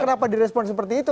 kenapa direspon seperti itu